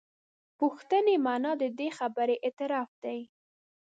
د پوښتنې معنا د دې خبرې اعتراف دی.